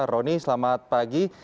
roni selamat pagi